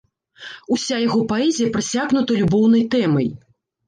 Уся яго паэзія прасякнута любоўнай тэмай.